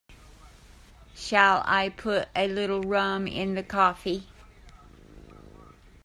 Shall I put a little rum in the coffee?